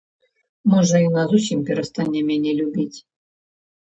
Можа, яна зусім перастане мяне любіць?